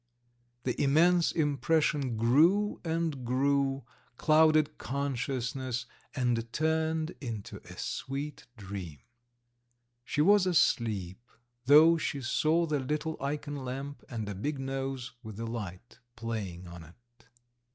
The immense impression grew and grew, clouded consciousness, and turned into a sweet dream. She was asleep, though she saw the little ikon lamp and a big nose with the light playing on it.